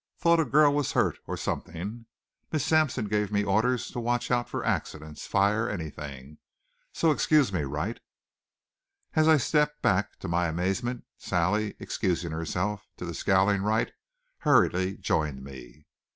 Thought a girl was hurt, or something. Miss Sampson gave me orders to watch out for accidents, fire, anything. So excuse me, Wright." As I stepped back, to my amazement, Sally, excusing herself to the scowling Wright, hurriedly joined me.